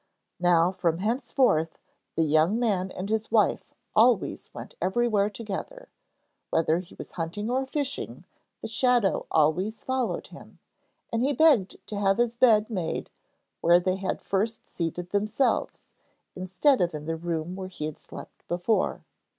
Now from henceforth the young man and his wife always went everywhere together; whether he was hunting or fishing, the shadow always followed him, and he begged to have his bed made where they had first seated themselves, instead of in the room where he had slept before.